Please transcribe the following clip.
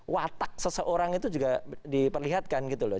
watak seseorang itu juga diperlihatkan gitu loh